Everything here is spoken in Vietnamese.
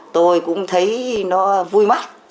tôi cũng thấy nó vui mắt